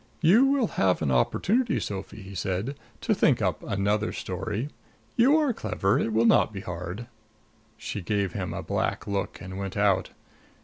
"You will have an opportunity, Sophie," he said, "to think up another story. You are clever it will not be hard." She gave him a black look and went out.